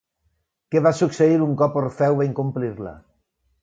Què va succeir un cop Orfeu va incomplir-la?